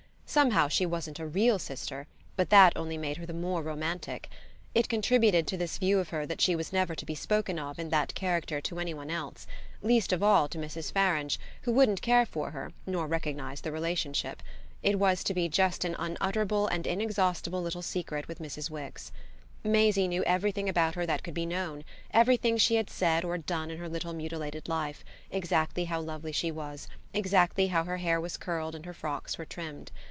Somehow she wasn't a real sister, but that only made her the more romantic. It contributed to this view of her that she was never to be spoken of in that character to any one else least of all to Mrs. Farange, who wouldn't care for her nor recognise the relationship: it was to be just an unutterable and inexhaustible little secret with Mrs. Wix. Maisie knew everything about her that could be known, everything she had said or done in her little mutilated life, exactly how lovely she was, exactly how her hair was curled and her frocks were trimmed.